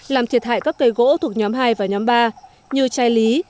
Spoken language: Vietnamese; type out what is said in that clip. làm thiệt hại các cây gỗ thuộc nhóm hai và nhóm ba như chai lý